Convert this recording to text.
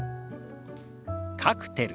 「カクテル」。